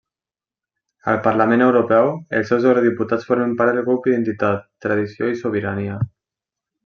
Al Parlament Europeu, els seus eurodiputats formen part del grup Identitat, Tradició i Sobirania.